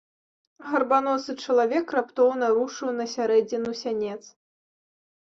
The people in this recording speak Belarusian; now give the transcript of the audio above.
Гарбаносы чалавек раптоўна рушыў на сярэдзіну сянец.